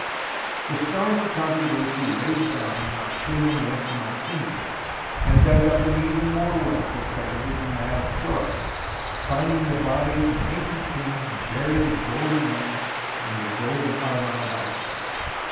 The storm of controversy raged on while Schlie mann went to Mycenae and dug up an even more wonderful treasure than that of Troy, finding the bodies of ancient kings buried in golden masks and with golden armour about them.